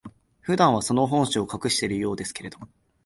普段は、その本性を隠しているようですけれども、